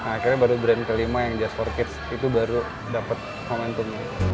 akhirnya baru brand kelima yang just for kids itu baru dapat momentum